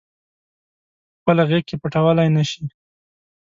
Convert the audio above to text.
پخپله غیږ کې پټولای نه شي